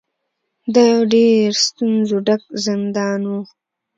دا یو ډیر ستونزو ډک زندان و.